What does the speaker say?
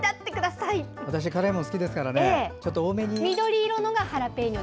私辛いもの好きですからね多めに。